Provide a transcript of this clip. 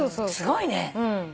すごいね。